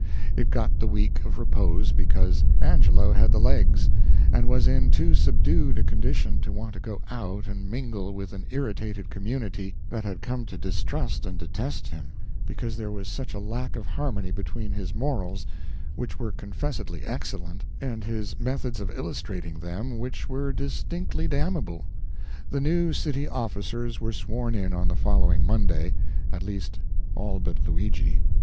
It got the week of repose because Angelo had the legs, and was in too subdued a condition to want to go out and mingle with an irritated community that had come to distrust and detest him because there was such a lack of harmony between his morals, which were confessedly excellent, and his methods of illustrating them, which were distinctly damnable. The new city officers were sworn in on the following Monday at least all but Luigi.